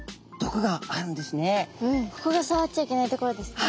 ここがさわっちゃいけないところですね。